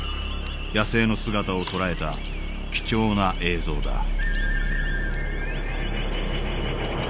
野生の姿を捉えた貴重な映像だ